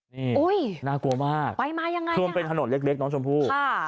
นี่โอ้ยน่ากลัวมากคลิ้มเป็นถนนเล็กน้องชมพูค่ะ